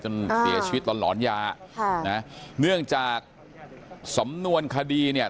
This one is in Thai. จนเหลี่ยชีวิตลอนหลอนยาเนื่องจากสำนวนคดีเนี่ย